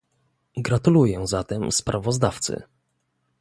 Gratuluję zatem sprawozdawcy